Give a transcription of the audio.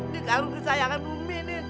di karung kesayangan ummi nih